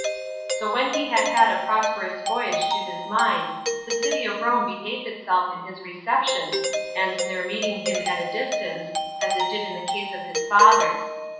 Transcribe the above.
So when he had had a prosperous voyage to his mind, the city of Rome behaved itself in his reception, and their meeting him at a distance, as it did in the case of his father.